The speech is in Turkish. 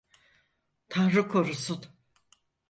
Tanrı korusun!